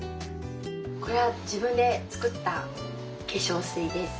これは自分で作った化粧水です。